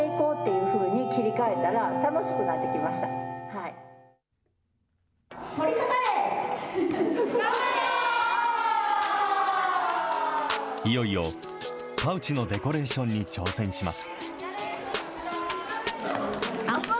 いよいよパウチのデコレーションに挑戦します。